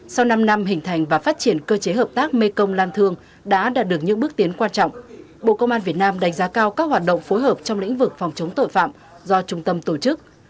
sau năm năm hình thành và phát triển cơ chế hợp tác mê công lan thương đã đạt được những bước tiến quan trọng bộ công an việt nam đánh giá cao các hoạt động phối hợp trong lĩnh vực phòng chống tội phạm do trung tâm tổ chức